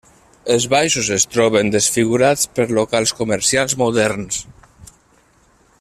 Els baixos es troben desfigurats per locals comercials moderns.